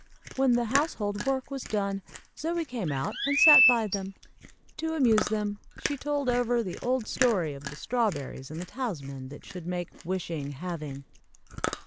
When the household work was done Zoie came out and sat by them. To amuse them she told over the old story of the strawberries and the talisman that should make "wishing having."